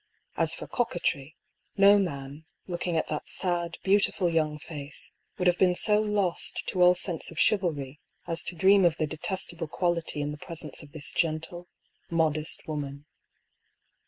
As for coquetry, no man, looking at that sad, beautifal young face, would have been so lost to all sense of chiv alry as to dream of the detestable quality in the pres ence of this gentle, modest woman.